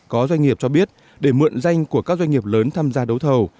có doanh nghiệp cho biết để mượn danh của các doanh nghiệp lớn tham gia đấu thầu